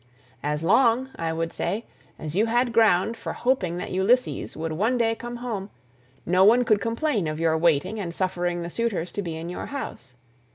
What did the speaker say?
'As long,' I would say, 'as you had ground for hoping that Ulysses would one day come home, no one could complain of your waiting and suffering160 the suitors to be in your house.